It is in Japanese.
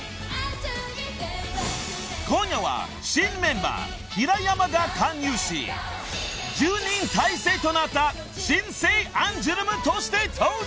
［今夜は新メンバー平山が加入し１０人体制となった新生アンジュルムとして登場］